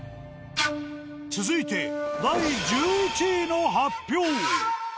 続いて第１１位の発表。